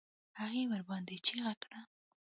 هغې ورباندې چيغه کړه.